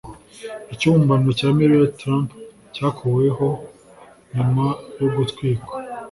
ikibumbano cya Melanie trump cyakuweho nyuma yo gutwikwa